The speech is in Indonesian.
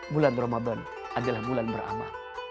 bulan ramadan adalah bulan beramal